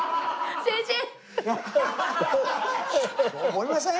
思いません？